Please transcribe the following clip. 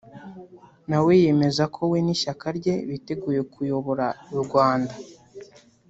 nawe yemeza ko we n’ishyaka rye biteguye kuyobora u Rwanda